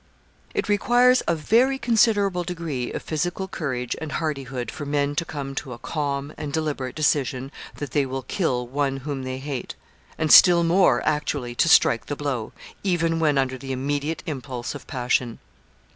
] It requires a very considerable degree of physical courage and hardihood for men to come to a calm and deliberate decision that they will kill one whom they hate, and, still more, actually to strike the blow, even when under the immediate impulse of passion.